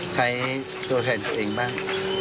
ใช้ตัวแทนตัวเองบ้าง